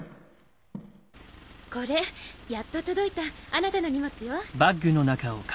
これやっと届いたあなたの荷物よ。